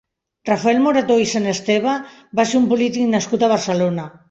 Rafael Morató i Senesteva va ser un polític nascut a Barcelona.